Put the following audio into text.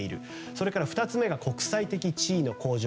それから２つ目が国際的地位の向上。